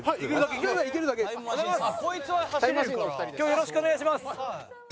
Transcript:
よろしくお願いします！